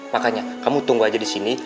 makanya kamu tunggu aja disini